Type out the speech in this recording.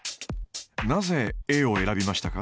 なぜＡを選びましたか？